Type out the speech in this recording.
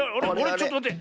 ちょっとまって。